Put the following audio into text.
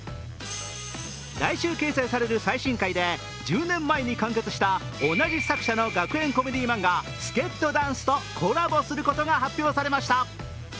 来週掲載される最新回で１０年前に完結した同じ作者の学園コメディー漫画「ＳＫＥＴＤＡＮＣＥ」とコラボすることが発表されました。